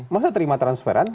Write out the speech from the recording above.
masa terima transferan